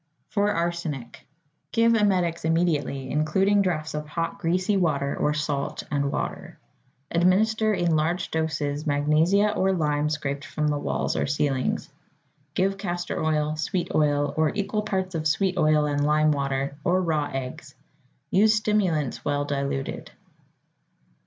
=For Arsenic.= Give emetics immediately, including draughts of hot, greasy water or salt and water. Administer in large doses magnesia or lime scraped from the walls or ceilings. Give castor oil, sweet oil, or equal parts of sweet oil and lime water, or raw eggs. Use stimulants well diluted.